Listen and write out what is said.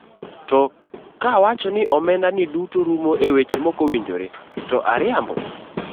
To kawacho ni omeda ni duto rumo e weche makowinjore, to ariambo?